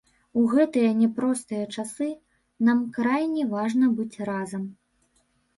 У гэтыя няпростыя часы, нам крайне важна быць разам.